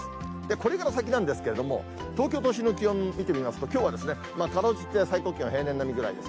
これから先なんですけれども、東京都心の気温、見てみますと、きょうはかろうじて最高気温、平年並みぐらいです。